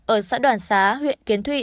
ở xã đoàn xá huyện kiến thụy